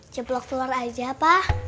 ceplok telur aja pa